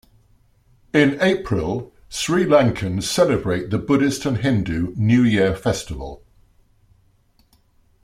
In April, Sri Lankans celebrate the Buddhist and Hindu new year festival.